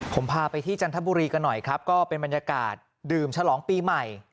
ผมพาไปที่จันทบุรีกันหน่อยครับก็เป็นบรรยากาศดื่มฉลองปีใหม่